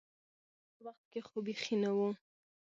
د مراسمو پر وخت کې خو بیخي نه و.